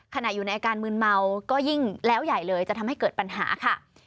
อยู่ในอาการมืนเมาก็ยิ่งแล้วใหญ่เลยจะทำให้เกิดปัญหาค่ะ